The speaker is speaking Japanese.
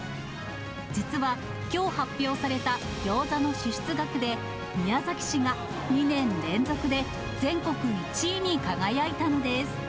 実はきょう発表されたギョーザの支出額で宮崎市が２年連続で全国１位に輝いたのです。